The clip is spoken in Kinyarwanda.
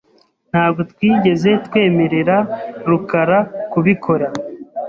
Ntabwo twigeze twemerera rukara kubikora .